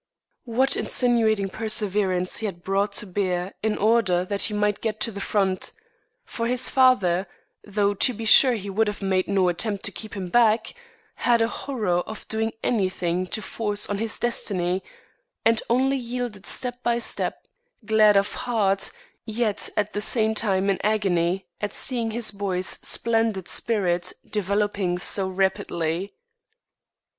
What insinuating perseverance he had brought to bear in order that he might get to the Front, for his father, though to be sure he would have made no attempt to keep him back, had a horror of doing anything to force on his destiny, and only yielded step by step, glad of heart, yet at the same time in agony at seeing his boy's splendid spirit developing so rapidly.